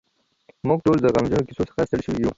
موږ ټول د غمجنو کیسو څخه ستړي شوي یو.